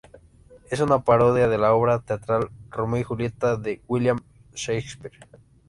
Es una parodia de la obra teatral "Romeo y Julieta" de William Shakespeare.